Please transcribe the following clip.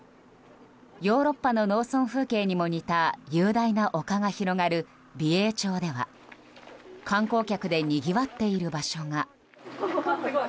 ヨーロッパの農村風景にも似た雄大な丘が広がる美瑛町では観光客でにぎわっている場所が。